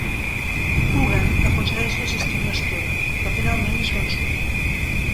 Coogan aconsegueix resistir una estona, però finalment és vençut.